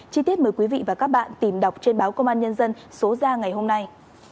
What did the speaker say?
chi tiết mời quý vị và các bạn tìm đọc trên báo công an nhân dân số ra ngày hôm nay